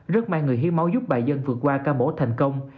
rất mang người hiếu máu giúp bà dân vượt qua ca mổ thành công